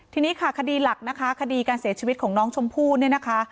ทีนี้ค่ะคดีหลักนะคะคดีการเสียชีวิตของน้องชมพู่เนี่ยนะคะ